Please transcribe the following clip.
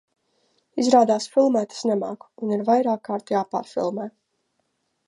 Izrādās filmēt es nemāku, un ir vairākkārt jāpārfilmē.